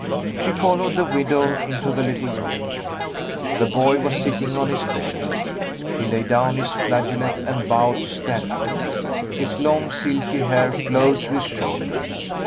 She followed the widow into the little room. The boy was sitting on his bed. He laid down his flageolet and bowed to Stella. His long silky hair flowed to his shoulders.